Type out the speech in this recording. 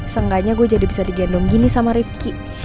seenggaknya gue jadi bisa digendong gini sama rifki